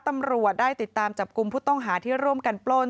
ตำรวจได้ติดตามจับกลุ่มผู้ต้องหาที่ร่วมกันปล้น